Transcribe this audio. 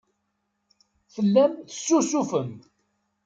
Tellam tessusufem.